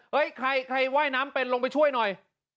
ใครว่ายน้ำเป็นลงไปช่วยหน่อย